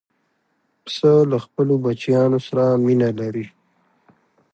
پسه له خپلو بچیانو سره مینه لري.